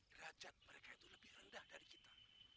derajat mereka itu lebih rendah dari kita